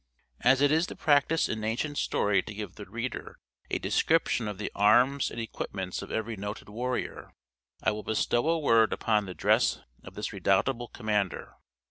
As it is the practice in ancient story to give the reader a description of the arms and equipments of every noted warrior, I will bestow a word upon the dress of this redoubtable commander.